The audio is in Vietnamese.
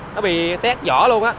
nó bị tét giỏ luôn